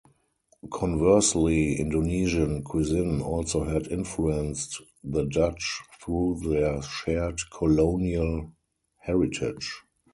Conversely, Indonesian cuisine also had influenced the Dutch through their shared colonial heritage.